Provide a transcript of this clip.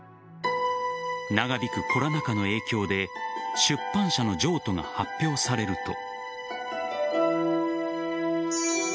長引くコロナ禍の影響で出版社の譲渡が発表されると。